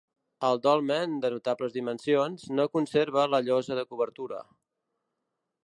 El dolmen, de notables dimensions, no conserva la llosa de cobertura.